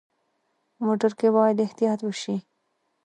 موټر کې باید احتیاط وشي.